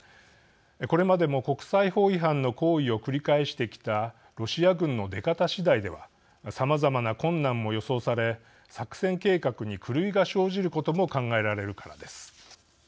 これまでも国際法違反の行為を繰り返してきたロシア軍の出方次第ではさまざまな困難も予想され作戦計画に狂いが生じることも考えられるからです。